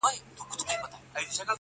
• په امان له هر مرضه په تن جوړ ؤ..